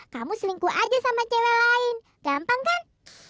kamu selingkuh aja sama cewek lain gampang kan